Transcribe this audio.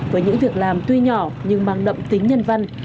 với những việc làm tuy nhỏ nhưng mang đậm tính nhân văn